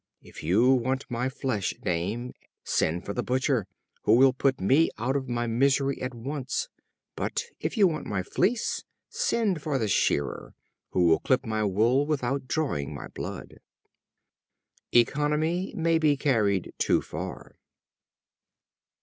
If you want my flesh, Dame, send for the Butcher, who will put me out of my misery at once; but if you want my fleece, send for the Shearer, who will clip my wool without drawing my blood." Economy may be carried too far.